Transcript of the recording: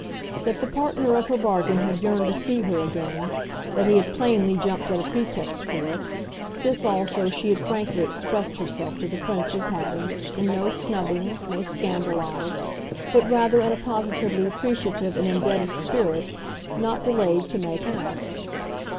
That the partner of her bargain had yearned to see her again, that he had plainly jumped at a pretext for it, this also she had frankly expressed herself to the Prince as having, in no snubbing, no scandalised, but rather in a positively appreciative and indebted spirit, not delayed to make out.